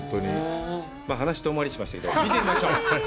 話は遠回りしましたけど、見てみましょう。